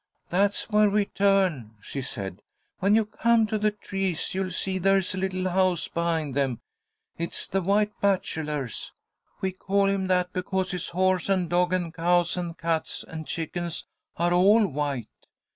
"That's where we turn," she said. "When you come to the trees you'll see there's a little house behind them. It's the White Bachelor's. We call him that because his horse and dog and cows and cats and chickens are all white.